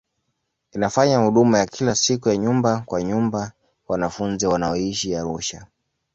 Inafanya huduma ya kila siku ya nyumba kwa nyumba kwa wanafunzi wanaoishi Arusha.